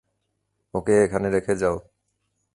ওকে এখানে রেখে যাও।